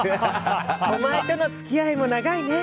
お前との付き合いも長いね。